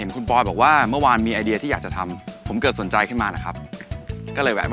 คุณปลอยจะเอาไปทำอะไรหรอครับ